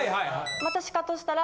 またシカトしたら。